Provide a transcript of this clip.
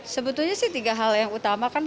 sebetulnya sih tiga hal yang utama kan